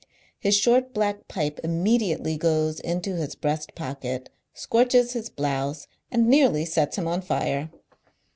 His short black pipe immediately goes into his breast pocket, scoi'ches his blouse, and nearly sets him on lire.